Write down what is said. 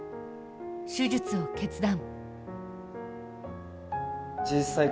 手術を決断。